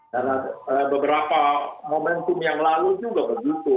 karena beberapa momentum yang lalu juga begitu